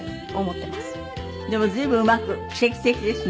でも随分うまく奇跡的ですね。